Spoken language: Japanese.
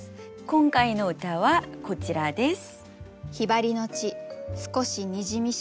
今回の歌はこちらです。